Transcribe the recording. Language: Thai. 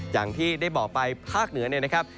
อย่างที่ได้บอกไปภาคเหนือเนี่ยนะครับ